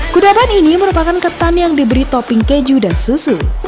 kudaban ini merupakan ketan yang diberi topping keju dan susu